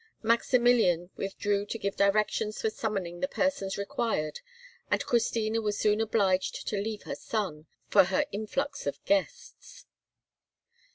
Maximilian withdrew to give directions for summoning the persons required and Christina was soon obliged to leave her son, while she provided for her influx of guests.